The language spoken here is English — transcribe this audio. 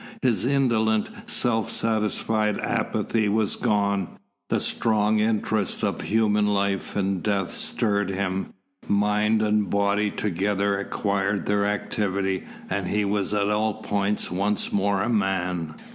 His indolent, self satisfied apathy was gone, the strong interests of human life and death stirred him, mind and body together acquired their activity and he was at all points once more a man.